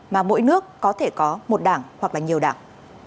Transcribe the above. mà mỗi nước có thể có một đảng hoặc là nhiều đảng